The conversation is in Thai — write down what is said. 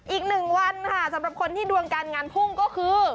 อีกหนึ่งวันค่ะสำหรับคนที่ดวงการงานพุ่งก็คือ